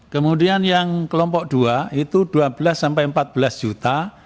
kemudian yang kelompok dua itu dua belas sampai empat belas juta